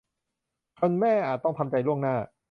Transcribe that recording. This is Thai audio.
คุณแม่อาจต้องทำใจล่วงหน้า